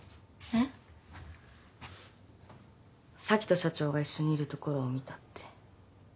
咲と社長が一緒にいるところを見たって。